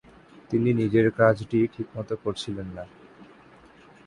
তিনি নিজের কাজটি ঠিকমতো করছিলেন না।